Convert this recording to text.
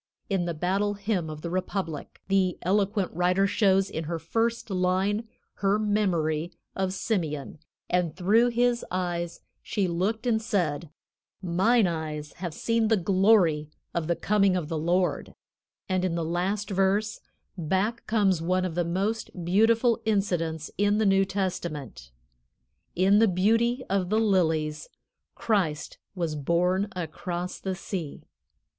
In the "Battle Hymn of the Republic," the eloquent writer shows in her first line her memory of Simeon, and through his eyes she looked and said: "Mine eyes have seen the glory of the coming of the Lord," and in the last verse, back comes one of the most beautiful incidents in the New Testament: "In the beauty of the lilies, Christ was born across the sea."